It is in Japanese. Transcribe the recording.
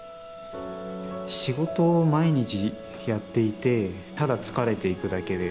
仕事毎日やっていてただ疲れていくだけで。